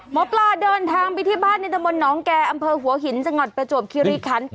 หมอปลาเดินทางไปที่บ้านในตะมนต์น้องแก่อำเภอหัวหินจังหวัดประจวบคิริคัน